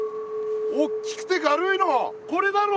おっきくて軽いのこれだろ。